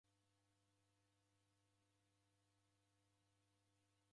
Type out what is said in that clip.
Orenekwandoe ni w'aw'ae usaghie.